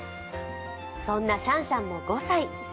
そんなシャンシャンも５歳。